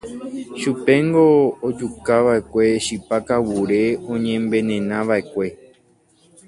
Chupéngo ojukava'ekue chipa kavure oñe'envenenava'ekue.